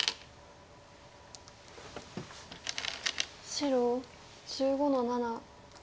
白１５の七。